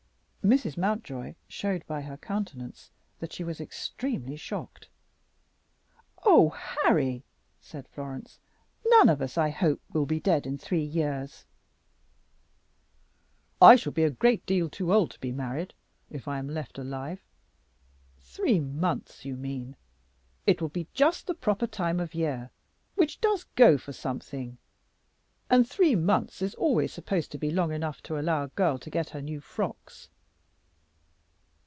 Mrs. Mountjoy showed by her countenance that she was extremely shocked. "Oh, Harry!" said Florence, "none of us, I hope, will be dead in three years." "I shall be a great deal too old to be married if I am left alive. Three months, you mean. It will be just the proper time of year, which does go for something. And three months is always supposed to be long enough to allow a girl to get her new frocks."